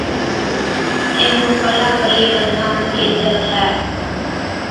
اينھُون پلا پلي ٻانڌاوڻ ڪيهجَي ڇَي